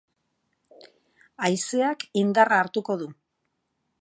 Haizeak indarra hartuko du.